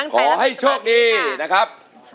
ขอให้โชคดีนะครับ